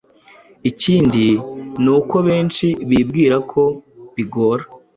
Ikindi ni uko benshi bibwira ko bigora